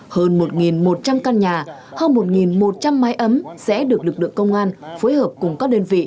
hơn một một trăm linh căn nhà hơn một một trăm linh mái ấm sẽ được lực lượng công an phối hợp cùng các đơn vị